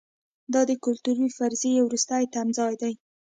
دا د کلتوري فرضیې وروستی تمځای دی.